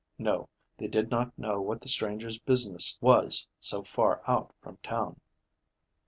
No, they did not know what the strangers' business was so far out from town.